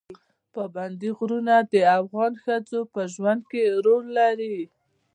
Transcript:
پابندی غرونه د افغان ښځو په ژوند کې رول لري.